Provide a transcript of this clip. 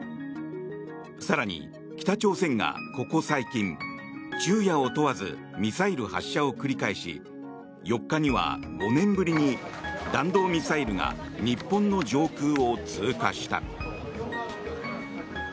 更に北朝鮮がここ最近、昼夜を問わずミサイル発射を繰り返し４日には５年ぶりに弾道ミサイルが日本の上空を通過した。